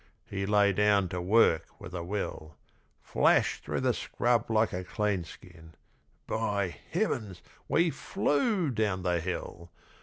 He lay down to work with a will, Flashed through the scrub like a clean skin by Heavens we FLEW down the hill!